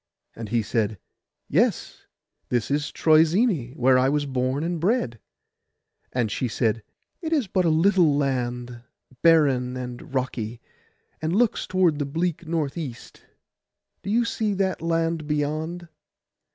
And he said, 'Yes; this is Troezene, where I was born and bred.' And she said, 'It is but a little land, barren and rocky, and looks towards the bleak north east. Do you see that land beyond?